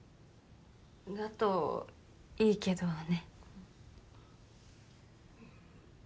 だといいけどね。